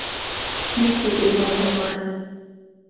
مهیکه گرمه و ههڵڵايه